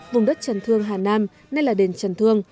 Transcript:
vùng đất trần thương hà nam nơi là đền trần thương